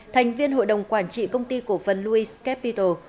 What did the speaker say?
thành viên hội đồng quản trị công ty cổ phần louice capital